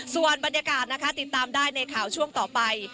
ส่วนบรรยากาศนะคะติดตามได้ในข่าวช่วงต่อไป